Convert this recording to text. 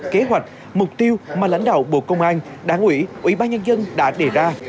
kế hoạch mục tiêu mà lãnh đạo bộ công an đảng ủy ủy ban nhân dân đã đề ra